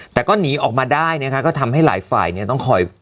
แต่ก็หนีออกมาได้เนี่ยค่ะก็ทำให้หลายฝ่ายต้องข่อย